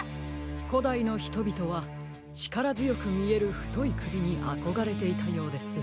こだいのひとびとはちからづよくみえるふといくびにあこがれていたようです。